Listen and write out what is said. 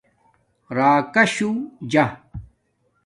راکا شُو جا